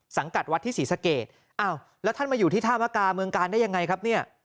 สังกัดวัดที่ศรีสเกตแล้วท่านมาอยู่ที่ธามกาเมืองกาลได้ยังไงครับ